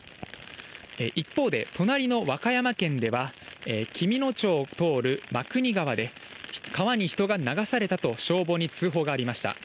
一方で、隣の和歌山県では、紀美野町を通る真国川で、川に人が流されたと消防に通報がありました。